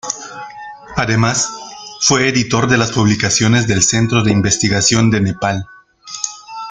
Además, fue editor de las publicaciones del Centro de Investigación de Nepal.